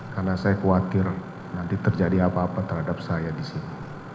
karena saya khawatir nanti terjadi apa apa terhadap saya di sini